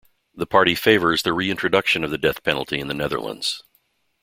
The party favours the re-introduction of the death penalty in the Netherlands.